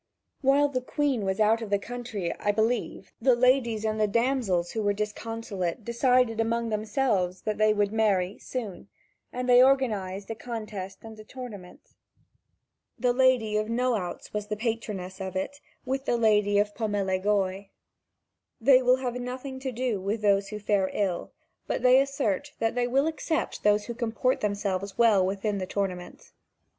(Vv. 5379 5514.) While the Queen was out of the country, I believe, the ladies and the damsels who were disconsolate, decided among themselves that they would marry, soon, and they organised a contest and a tournament. The lady of Noauz was patroness of it, with the lady of Pomelegloi. They will have nothing to do with those who fare ill, but they assert that they will accept those who comport themselves well in the tournament.